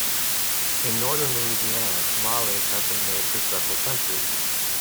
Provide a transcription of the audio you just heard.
In northern Louisiana, tamales have been made for several centuries.